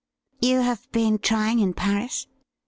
' You have been trying in Paris